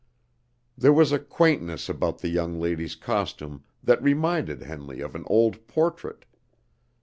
There was a quaintness about the young lady's costume that reminded Henley of an old portrait.